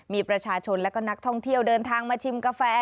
มีประชาชนและก็นักท่องเที่ยวเดินทางมาชิมกาแฟ